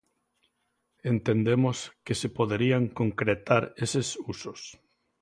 Entendemos que se poderían concretar eses usos.